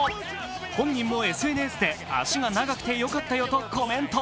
本人もＳＮＳで足が長くてよかったよとコメント。